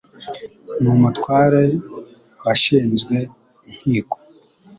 N' umutware washinzwe inkiko.